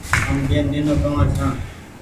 هم جين نينو ڪوآن ڇآن